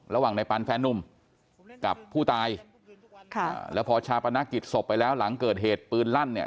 ระหว่างในปันแฟนนุ่มกับผู้ตายค่ะแล้วพอชาปนกิจศพไปแล้วหลังเกิดเหตุปืนลั่นเนี่ย